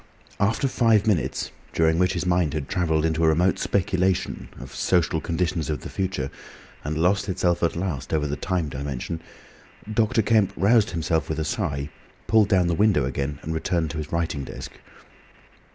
After five minutes, during which his mind had travelled into a remote speculation of social conditions of the future, and lost itself at last over the time dimension, Dr. Kemp roused himself with a sigh, pulled down the window again, and returned to his writing desk.